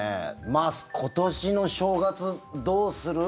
まず今年の正月、どうする？